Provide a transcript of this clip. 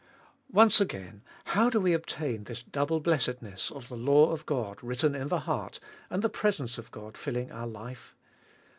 Once again, how do we obtain this double blessedness of the law of God written in the heart, and the presence of God filling our life?